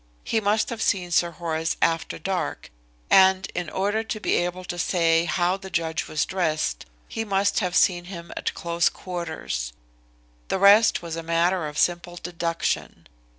He must have seen Sir Horace after dark, and in order to be able to say how the judge was dressed he must have seen him at close quarters. The rest was a matter of simple deduction.